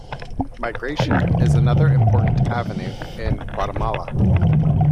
Migration is another important avenue in Guatemala.